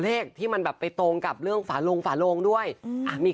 เลขที่มันแบบไปตรงกับเรื่องฝาลงฝาโลงด้วยอืมอ่ะมี